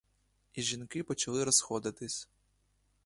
І жінки почали розходитись.